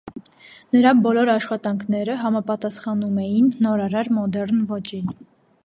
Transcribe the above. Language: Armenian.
Նրա բոլոր աշխատանքները համապատասխանում էին նորարար մոդեռն ոճին։